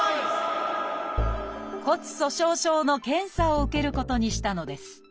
骨粗しょう症の検査を受けることにしたのです。